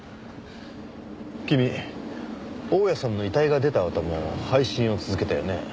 君大屋さんの遺体が出たあとも配信を続けたよね。